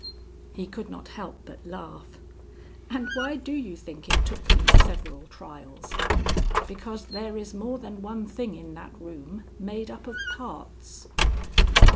He could not help but laugh. "And why do you think it took me several trials?" "Because there is more than one thing in that room made up of parts."